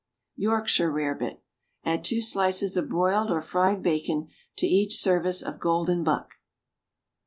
=Yorkshire Rarebit.= Add two slices of broiled or fried bacon to each service of golden buck.